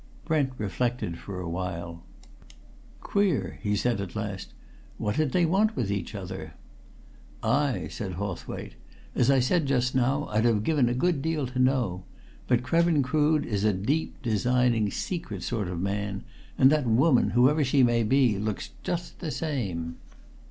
Brent reflected for a while. "Queer!" he said at last. "What did they want with each other?" "Ay!" said Hawthwaite. "As I said just now, I'd have given a good deal to know. But Krevin Crood is a deep, designing, secret sort of man, and that woman, whoever she may be, looks just the same."